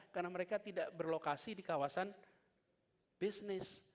karena mereka tidak berlokasi di kawasan bisnis